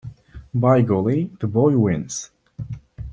By golly, the boy wins.